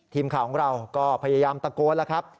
ทีมข่าวของเราก็พยายามตะโกนแล้วครับ